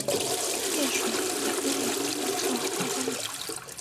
桦树液也可用做化妆品。